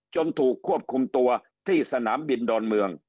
ถูกควบคุมตัวที่สนามบินดอนเมือง